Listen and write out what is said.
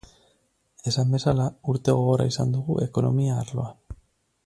Esan bezala, urte gogorra izan dugu ekonomia arloan.